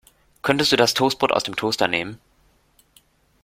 Könntest du das Toastbrot aus dem Toaster nehmen.